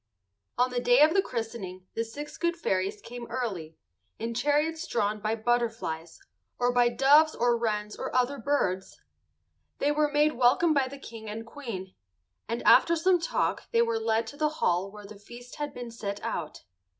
On the day of the christening the six good fairies came early, in chariots drawn by butterflies, or by doves or wrens or other birds. They were made welcome by the King and Queen, and after some talk they were led to the hall where the feast had been set out.